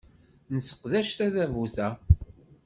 Nesseqdec tadabut-a.